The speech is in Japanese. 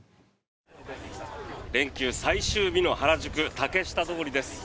連休最終日の原宿・竹下通りです。